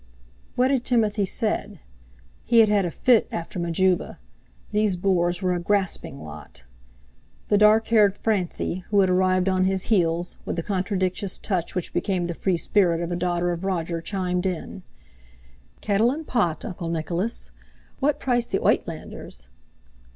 What had Timothy said? He had had a fit after Majuba. These Boers were a grasping lot! The dark haired Francie, who had arrived on his heels, with the contradictious touch which became the free spirit of a daughter of Roger, chimed in: "Kettle and pot, Uncle Nicholas. What price the Uitlanders?"